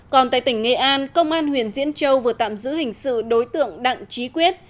còn tại tỉnh nghệ an công an huyện diễn châu vừa tạm giữ hình sự đối tượng đặng trí quyết